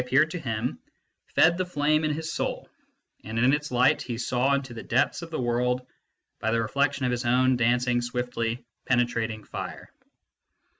4 MYSTICISM AND LOGIC flame in his soul, and in its light he saw into the depths of the world by the reflection of his own dancing swiftly penetrating fire.